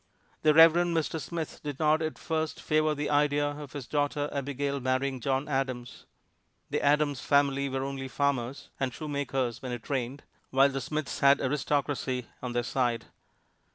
The Reverend Mr. Smith did not at first favor the idea of his daughter Abigail marrying John Adams. The Adams family were only farmers (and shoemakers when it rained), while the Smiths had aristocracy on their side.